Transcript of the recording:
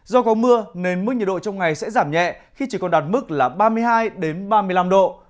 do có mưa nên mức nhiệt độ trong ngày sẽ giảm nhẹ khi chỉ còn đạt mức là ba mươi hai ba mươi năm độ